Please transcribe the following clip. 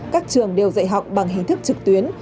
các trường đều dạy học bằng hình thức trực tuyến